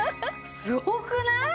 すごくない？